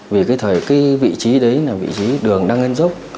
vì cái vị trí đấy là vị trí đường đang ngân dốc